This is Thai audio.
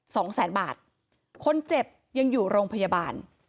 สองแสนบาทคนเจ็บยังอยู่โรงพยาบาล